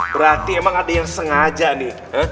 berarti emang ada yang sengaja nih